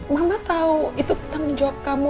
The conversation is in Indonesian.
mama tahu itu tanggung jawab kamu